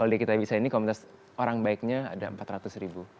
kalau di kitabisa ini komunitas orang baiknya ada empat ratus ribu